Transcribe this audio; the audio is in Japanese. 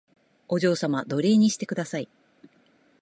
お嬢様奴隷にしてください